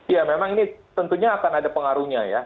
ya memang ini tentunya akan ada pengaruhnya ya